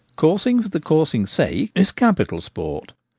Coursing for the coursing's sake is capital sport.